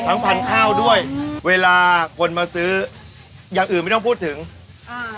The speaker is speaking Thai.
พันธุ์ข้าวด้วยเวลาคนมาซื้ออย่างอื่นไม่ต้องพูดถึงอ่า